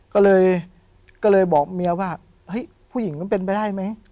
ก็เลยก็เลยบอกเมียว่าเฮ้ยผู้หญิงมันเป็นไปได้ไหม